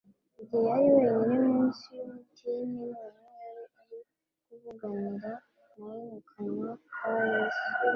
igihe yari wenyine munsi y'umutini, noneho yari ari kuvuganira nawe mu kanwa ka Yesu.